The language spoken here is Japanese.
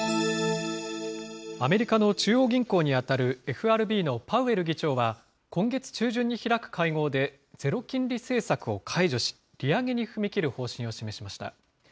アメリカの中央銀行に当たるＦＲＢのパウエル議長は、今月中旬に開く会合で、ゼロ金利政策を解除し、利上げに踏み切る方針を示しました。